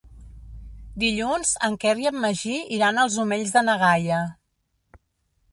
Dilluns en Quer i en Magí iran als Omells de na Gaia.